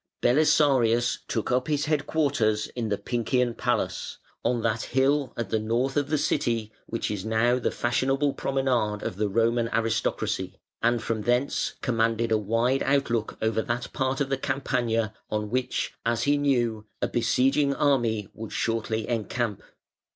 [Footnote 146: December, 536.] Belisarius took up his headquarters in the Pincian Palace (on that hill at the north of the City which is now the fashionable promenade of the Roman aristocracy), and from thence commanded a wide outlook over that part of the Campagna on which, as he knew, a besieging army would shortly encamp.